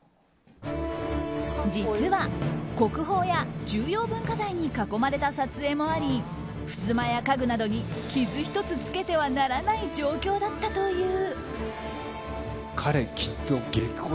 実は、国宝や重要文化財に囲まれた撮影もありふすまや家具などに傷ひとつつけてはならない状況だったという。